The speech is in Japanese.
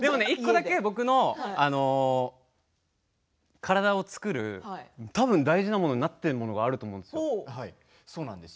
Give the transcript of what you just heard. １個だけ僕の体を作る大事なものになっているものがあるんですよ。